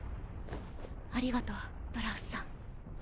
ありがとうブラウスさん。